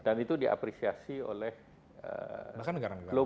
dan itu diapresiasi oleh global negara negara lain